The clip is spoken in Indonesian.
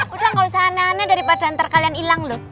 udah gak usah aneh aneh daripada antar kalian hilang loh